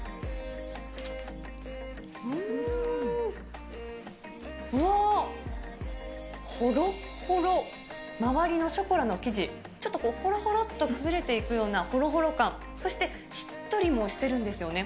うーん、うわっ、ほろっほろ。周りのショコラの生地、ちょっとほろほろっと崩れていくようなほろほろ感、そしてしっとりもしてるんですよね。